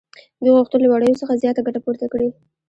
دوی غوښتل له وړیو څخه زیاته ګټه پورته کړي